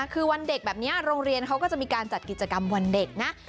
คือวันเด็กแบบนี้โรงเรียนเขาก็จะมีการจัดกิจกรรมวันเด็กนะ